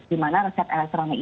di mana resep elektroniknya